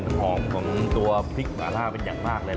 มันได้กลิ่นหอมของตัวพริกมาล่าเป็นอย่างมากเลย